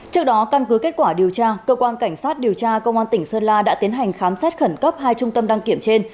trước đó căn cứ kết quả điều tra cơ quan cảnh sát điều tra công an tỉnh sơn la đã tiến hành khám xét khẩn cấp hai trung tâm đăng kiểm trên